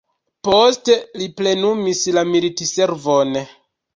Poste li plenumis la militservon.